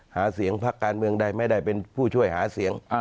หาเสียงพักการเมืองใดไม่ได้เป็นผู้ช่วยหาเสียง